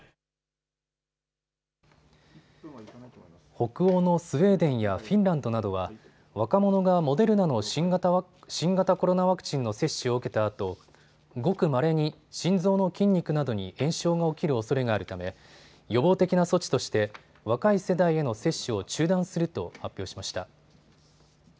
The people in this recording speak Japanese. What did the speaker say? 北欧のスウェーデンやフィンランドなどは若者がモデルナの新型コロナワクチンの接種を受けたあとごくまれに心臓の筋肉などに炎症が起きるおそれがあるため予防的な措置として若い世代への接種を中断すると発表しました。